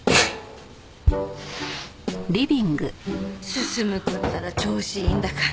進くんったら調子いいんだから。